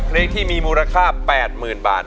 เพลงที่มีมูลค่า๘๐๐๐บาท